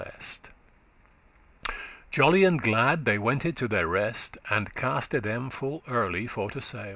* *as they wished* Jolly and glad they wente to their rest, And caste* them full early for to sail.